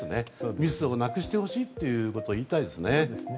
ミスをなくしてほしいと言いたいですね。